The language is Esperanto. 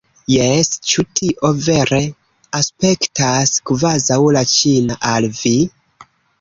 Jes, ĉu tio vere aspektas kvazaŭ la ĉina al vi?